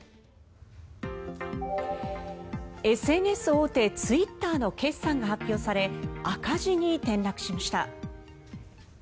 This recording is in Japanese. ＳＮＳ大手ツイッターの決算が発表され赤字に転落しました。